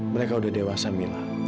mereka udah dewasa mila